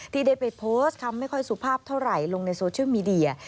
ที่ได้ไปโพสต์คำไม่ค่อยสุภาพเท่าไหร่ลงในโซเชียลมีเดีย